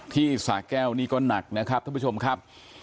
สาแก้วนี่ก็หนักนะครับท่านผู้ชมครับ